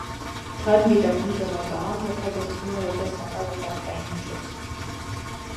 Թարմ վիճակում ծովակաղմաբն օգտագործվում է որպես հակալնդախտային միջոց։